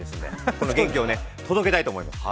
この元気を届けたいと思います。